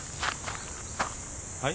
はい？